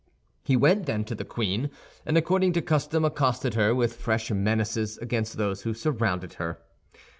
He went then to the queen, and according to custom accosted her with fresh menaces against those who surrounded her.